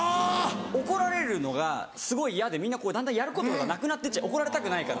怒られるのがすごい嫌でみんなこうだんだんやることがなくなってっちゃう怒られたくないから。